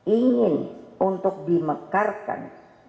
ingin untuk dimekarkan